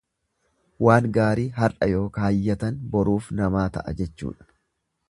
Waan gaarii har'a yoo kaayyatan boruuf namaa ta'a jechuudha.